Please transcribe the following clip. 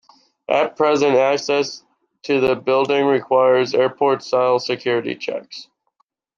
At present access to the building requires Airport-style security checks.